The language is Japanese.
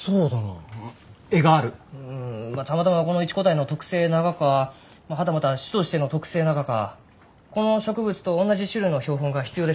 うんたまたまこの一個体の特性ながかはたまた種としての特性ながかこの植物とおんなじ種類の標本が必要ですね。